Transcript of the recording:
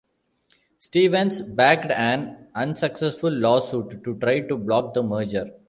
Stevens backed an unsuccessful lawsuit to try to block the merger.